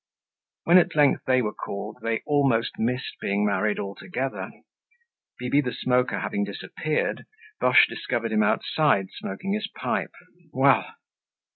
When at length they were called, they almost missed being married altogether, Bibi the Smoker having disappeared. Boche discovered him outside smoking his pipe. Well!